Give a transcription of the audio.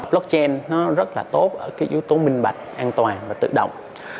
blockchain nó rất là tốt ở cái yếu tố minh bạch an toàn và tự động